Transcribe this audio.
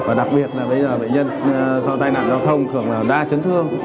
và đặc biệt là bệnh nhân do tai nạn giao thông thường là đa chấn thương